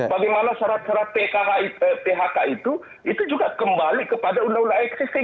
bagaimana syarat syarat phk itu itu juga kembali kepada undang undang existing